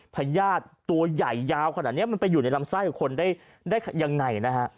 พญาติตัวใหญ่ยาวขนาดนี้มันไปอยู่ในลำไส้กับคนได้ยังไงนะฮะ